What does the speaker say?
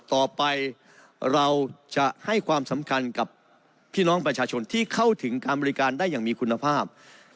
ต่อไปเราจะให้ความสำคัญกับพี่น้องประชาชนที่เข้าถึงการบริการได้อย่างมีคุณภาพ